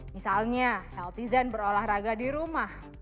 misalnya healthy zen berolahraga di rumah